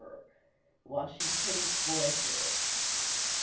LI. WASHINGTON'S BOYHOOD.